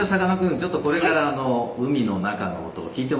ちょっとこれから海の中の音を聞いてもらいましょう。